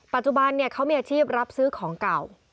ปัจจุบันเขามีอาชีพรับซื้อของเก่า